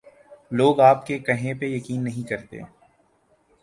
لو گ آپ کے کہے پہ یقین نہیں کرتے۔